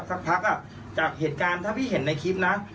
สักพักจากเหตุการณ์ถ้าพี่เห็นในคลิปนะ